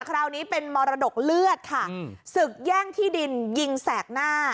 คราวนี้เป็นมรดกเลือดค่ะศึกแย่งที่ดินยิงแสกหน้า